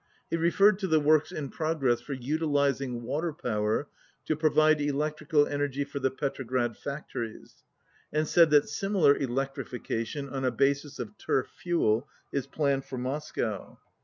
He referred to the works in progress for utilizing wa ter power to provide electrical energy for the Petrograd factories, and said that similar electrifi cation, on a basis of turf fuel, is planned for Mos cow.